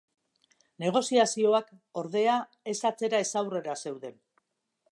Negoziazioak, ordea, ez atzera ez aurrera zeuden.